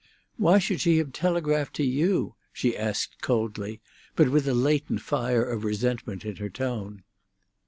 "Why should she have telegraphed to you?" she asked coldly, but with a latent fire of resentment in her tone.